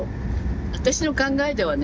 私の考えではね